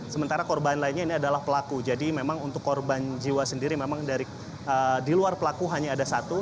sementara korban lainnya ini adalah pelaku jadi memang untuk korban jiwa sendiri memang dari di luar pelaku hanya ada satu